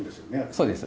そうです。